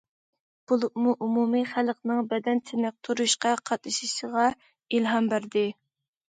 بولۇپمۇ ئومۇمىي خەلقنىڭ بەدەن چېنىقتۇرۇشقا قاتنىشىشىغا ئىلھام بەردى.